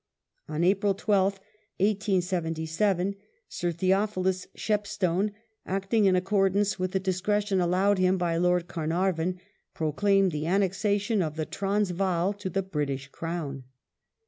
On April 12th, 1877, Sir Theophilus Shepstone, acting in accordance with the discretion allowed him by Lord Carnarvon, proclaimed the annexa tion of the Transvaal to the British Crown.